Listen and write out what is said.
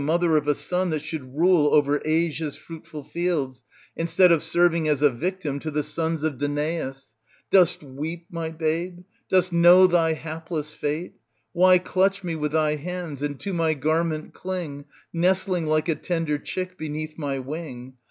247 mother of a son that should rule o'er Asia's fruitful fields instead of serving as a victim to the sons of Danaus ! Dost weep, my babe ? dost know thy hapless fate ? Why clutch me with thy hands and to my garment cling, nestling like a tender chick beneath my wing?